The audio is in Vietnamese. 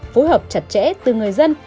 phối hợp chặt chẽ từ người dân